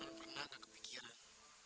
aku pernah nggak kepikiran